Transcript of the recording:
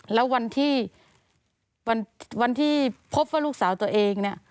แล้ววันที่พบลูกสาวตัวเอง